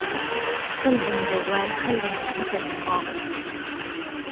كلب جَوَّالٌ خير من أسد رابض